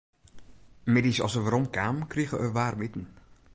Middeis as er werom kaam, krige er waarmiten.